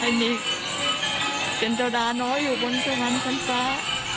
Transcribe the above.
ให้มีเป็นเจ้าดาน้อยอยู่บนสถานคันฟ้า